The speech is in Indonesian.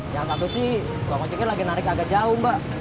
yang satu sih uang koceknya lagi narik agak jauh mbak